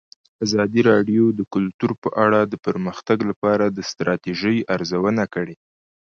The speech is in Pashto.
ازادي راډیو د کلتور په اړه د پرمختګ لپاره د ستراتیژۍ ارزونه کړې.